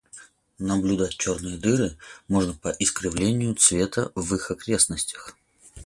Наблюдать черные дыры можно по искривлению света в их окрестностях.